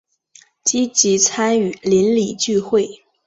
积极参与邻里聚会